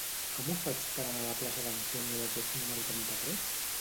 Com ho faig per anar a la plaça d'Antonio López número trenta-tres?